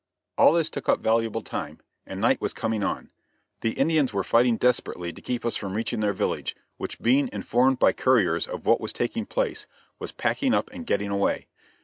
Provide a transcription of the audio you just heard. All this took up valuable time, and night was coming on. The Indians were fighting desperately to keep us from reaching their village, which being informed by couriers of what was taking place, was packing up and getting away.